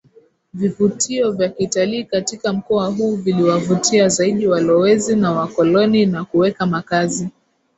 vivutio vya kitalii katika mkoa huu viliwavutia zaidi walowezi na wakoloni na kuweka makazi